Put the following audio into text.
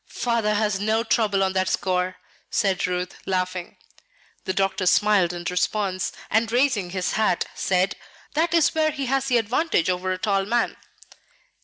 "Father has no trouble on that score," said Ruth, laughing. The doctor smiled in response, and raising his hat, said, "That is where he has the advantage over a tall man."